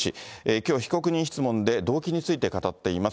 きょう、被告人質問で動機について語っています。